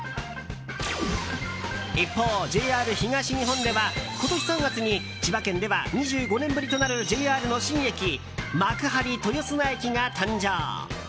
一方、ＪＲ東日本では今年３月に千葉県では２５年ぶりとなるＪＲの新駅、幕張豊砂駅が誕生。